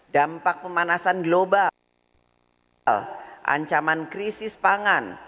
dampak pemanasan global ancaman krisis pangan